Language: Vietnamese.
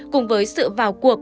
cùng với sự vào cuộc